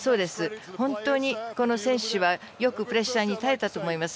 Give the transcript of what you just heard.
本当にこの選手はよくプレッシャーに耐えたと思います。